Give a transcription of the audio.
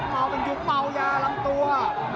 เมาเป็นยุคเมายาลำตัว